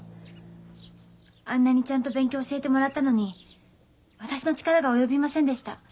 あんなにちゃんと勉強教えてもらったのに私の力が及びませんでした。